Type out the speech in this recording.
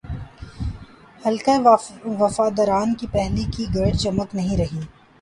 حلقۂ وفاداران کی پہلے کی گرج چمک نہیںرہی۔